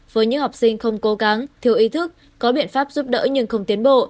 với những học sinh không cố gắng thiếu ý thức có biện pháp giúp đỡ nhưng không tiến bộ